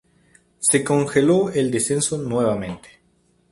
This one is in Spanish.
Se congeló el descenso nuevamente.